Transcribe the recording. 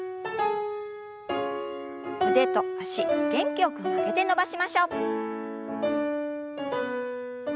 腕と脚元気よく曲げて伸ばしましょう。